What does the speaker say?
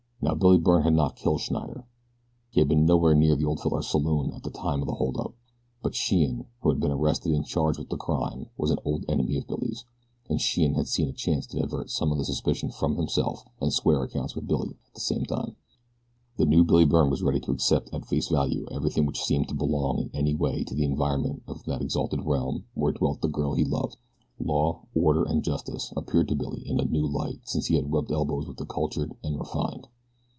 Now Billy Byrne had not killed Schneider. He had been nowhere near the old fellow's saloon at the time of the holdup; but Sheehan, who had been arrested and charged with the crime, was an old enemy of Billy's, and Sheehan had seen a chance to divert some of the suspicion from himself and square accounts with Byrne at the same time. The new Billy Byrne was ready to accept at face value everything which seemed to belong in any way to the environment of that exalted realm where dwelt the girl he loved. Law, order, and justice appeared to Billy in a new light since he had rubbed elbows with the cultured and refined.